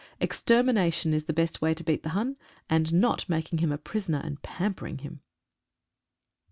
Extermination is the best way to beat the Hun, and not making him a prisoner and pampering him.